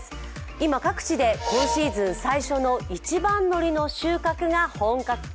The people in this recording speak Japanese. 今、各地で今シーズン最初の一番のりの収穫が本格化。